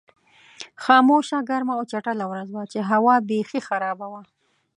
خاموشه، ګرمه او چټله ورځ وه چې هوا بېخي خرابه وه.